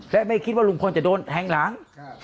ไม่คิดว่าลุงพลก็จะโดนแห่งหลัง